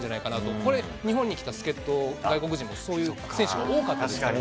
これ、日本に来た助っと外国人もそういう選手が多かったですからね。